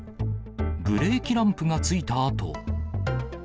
ブレーキランプがついたあと。